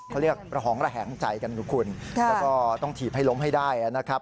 เขาเรียกระหองระแหงใจกันนะคุณแล้วก็ต้องถีบให้ล้มให้ได้นะครับ